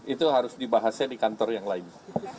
itu harus dibahasnya di kantor yang lain